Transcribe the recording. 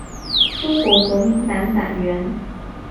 中国国民党党员。